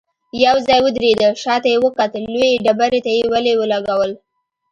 يو ځای ودرېده، شاته يې وکتل، لويې ډبرې ته يې ولي ولګول.